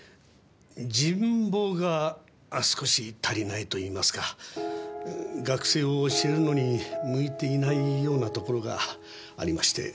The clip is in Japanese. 人望が少し足りないといいますか学生を教えるのに向いていないようなところがありまして。